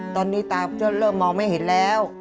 ตอนนี้ตาก็เริ่มมองไม่เห็นแล้ว